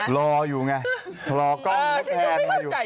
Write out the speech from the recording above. รออยู่ไง